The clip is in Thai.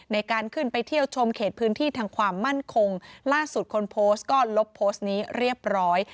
ในการขึ้นไปเที่ยวชมเขตพื้นที่ทางความมั่นคงล่าสุดคนโพสต์ก็ลบโพสต์นี้เรียบร้อย